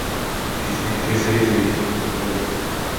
Existen tres áreas de distintos colores.